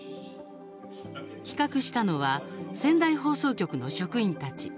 企画したのは仙台放送局の職員たち。